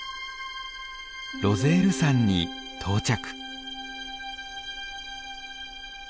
ロゼール山に到着。